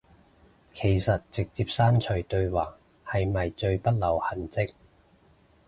其實直接刪除對話係咪最不留痕跡